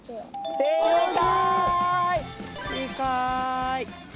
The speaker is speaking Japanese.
正解。